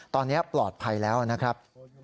ตอนนี้ปลอดภัยแล้วนะครับ